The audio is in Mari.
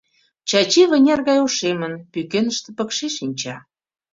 Чачи вынер гай ошемын, пӱкеныште пыкше шинча.